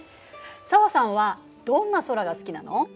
紗和さんはどんな空が好きなの？